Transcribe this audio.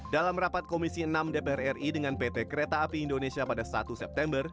dalam rapat komisi enam dpr ri dengan pt kereta api indonesia pada satu september